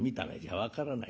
分からない